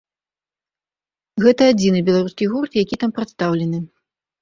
Гэта адзіны беларускі гурт, які там прадстаўлены.